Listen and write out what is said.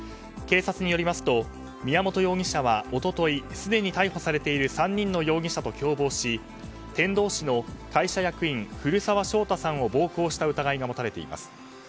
警察によりますと宮本容疑者は一昨日すでに逮捕されている３人の容疑者と共謀し天童市の会社役員古澤将太さんを暴行した疑いが持たれています。